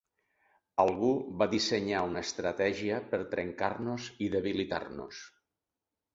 Algú va dissenyar una estratègia per trencar-nos i debilitar-nos.